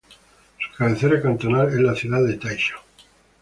Su cabecera cantonal es la ciudad de Taisha.